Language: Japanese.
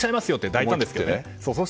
大胆ですけど。